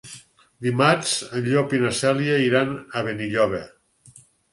Dimarts en Llop i na Cèlia iran a Benilloba.